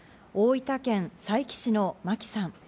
大分県佐伯市の牧さん。